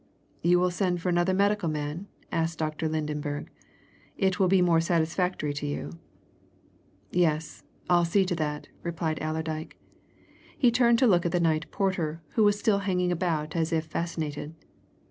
"You will send for another medical man?" asked Dr. Lydenberg. "It will be more satisfactory to you." "Yes, I'll see to that," replied Allerdyke. He turned to look at the night porter, who was still hanging about as if fascinated.